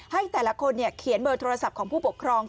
ให้แต่ละคนเขียนเบอร์โทรศัพท์ของผู้ปกครอง